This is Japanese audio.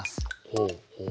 ほうほう。